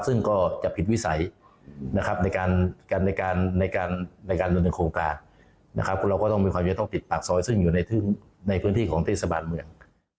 ซึ่งก็จะผิดวิสัยนะครับในการดำเนินโครงการนะครับเราก็ต้องมีความจะต้องปิดปากซอยซึ่งอยู่ในพื้นที่ของเทศบาลเมือง